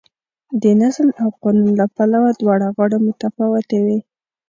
د نظم او قانون له پلوه دواړه غاړې متفاوتې وې.